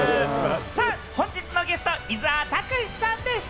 本日のゲスト、伊沢拓司さんでした。